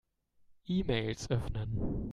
E-Mails öffnen.